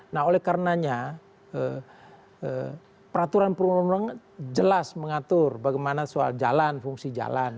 nah oleh karenanya peraturan perundang undangan jelas mengatur bagaimana soal jalan fungsi jalan